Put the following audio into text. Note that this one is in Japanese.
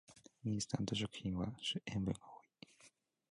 インスタント食品は塩分が多い